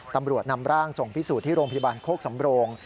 ตำรวจนำร่างส่งพิสูจน์ที่โรงพยาบาลโคกสำโรง